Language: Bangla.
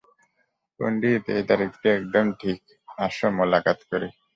পন্ডিত, এই তারিখটি একদম ঠিক, - আসো মোলাকাত করি।